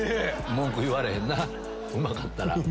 文句言われへんなうまかったら。